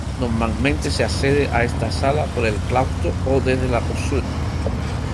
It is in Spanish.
Normalmente se accede a esta sala por el claustro o desde la cocina.